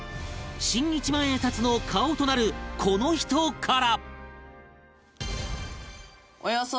新一万円札の顔となるこの人から